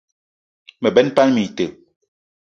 Me benn pam ite.